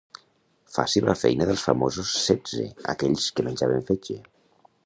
Faci la feina dels famosos setze aquells que menjaven fetge.